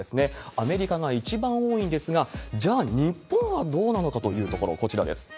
アメリカが一番多いんですが、じゃあ、日本はどうなのかというところ、こちらです。